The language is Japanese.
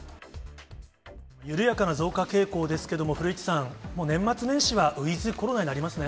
緩やかな増加傾向ですけれども、古市さん、もう年末年始はウィズコロナになりますね。